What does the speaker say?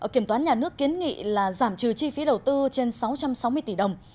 kiểm toán nhà nước kiến nghị là giảm trừ chi phí đầu tư trên sáu trăm sáu mươi tỷ đồng